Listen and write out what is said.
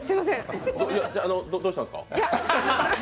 え、どうしたんですか？